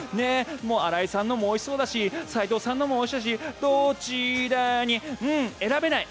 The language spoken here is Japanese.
新井さんのもおいしそうだし斎藤さんのもおいしそうだしどちらにうーん、選べない。